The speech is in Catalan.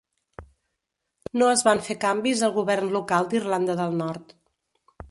No es van fer canvis al govern local d'Irlanda del Nord.